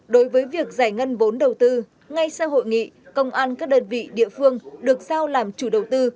đối với việc giải ngân vốn đầu tư ngay sau hội nghị công an các đơn vị địa phương được giao làm chủ đầu tư